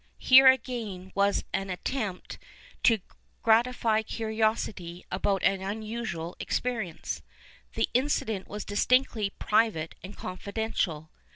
Here again was an attempt to gratify eiiriosity about an unusual experi enee. The incident was distinctly " private and confidential."